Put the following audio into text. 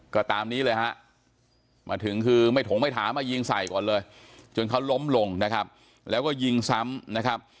ก็ตามนี้เลยฮะมาถึงคือไม่ถงไม่ถามายิงใส่ก่อนเลยจนเขาล้มลงนะครับแล้วก็ยิงซ้ำนะครับ